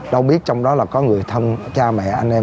đâu biết trong đó là có người thân cha mẹ anh em